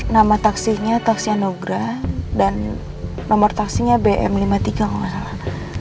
nama taksinya taksi anugrah dan nomor taksinya bm lima puluh tiga kalau enggak salah